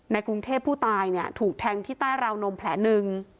กรุงเทพผู้ตายเนี่ยถูกแทงที่ใต้ราวนมแผลหนึ่ง